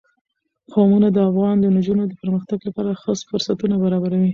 قومونه د افغان نجونو د پرمختګ لپاره ښه فرصتونه برابروي.